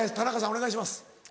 お願いします。